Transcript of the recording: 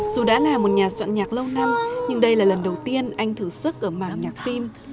dù đã là một nhà soạn nhạc lâu năm nhưng đây là lần đầu tiên anh thử sức ở mà âm nhạc phim